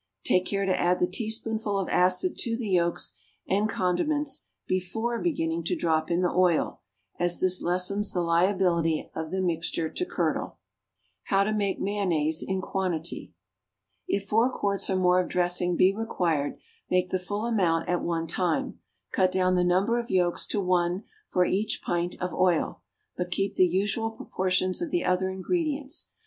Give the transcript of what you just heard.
Take care to add the teaspoonful of acid to the yolks and condiments before beginning to drop in the oil, as this lessens the liability of the mixture to curdle. =How to Make Mayonnaise in Quantity.= If four quarts or more of dressing be required, make the full amount at one time; cut down the number of yolks to one for each pint of oil, but keep the usual proportions of the other ingredients.